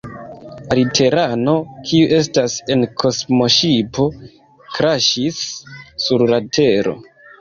Aliterano, kiu estas en kosmoŝipo, kraŝis sur la Tero